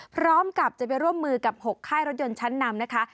พร้อมกับจะไปร่วมมือกับ๖ค่ายรถยนต์ชั้นนำนะคะ